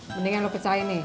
mendingan lo kecahin nih